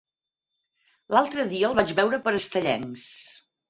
L'altre dia el vaig veure per Estellencs.